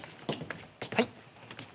はい。